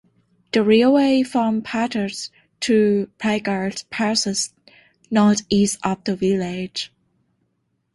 The railway from Patras to Pyrgos passes northeast of the village.